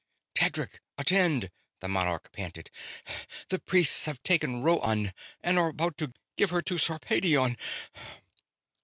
"Tedric, attend!" the monarch panted. "The priests have taken Rhoann and are about to give her to Sarpedion!"